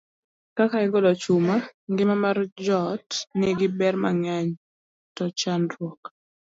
Kaka igolo chuma: A. Ngima mar joot nigi ber mang'eny, to chandruok